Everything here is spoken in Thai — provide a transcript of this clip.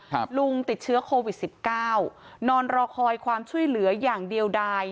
ลุงติดเชื้อโควิดสิบเก้านอนรอคอยความช่วยเหลืออย่างเดียวได้